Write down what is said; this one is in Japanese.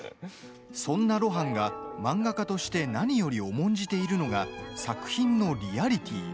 そんな露伴が漫画家として何より重んじているのが作品のリアリティー。